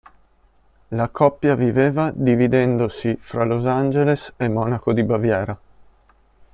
La coppia viveva dividendosi fra Los Angeles e Monaco di Baviera.